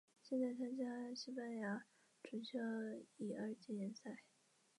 现在参加西班牙足球乙二级联赛。